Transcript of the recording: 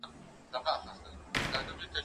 زه به سبا ليک ولولم؟!